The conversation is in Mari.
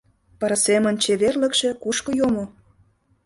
Пырысемын чеверлыкше кушко йомо?